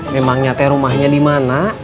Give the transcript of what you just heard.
memang nyatain rumahnya dimana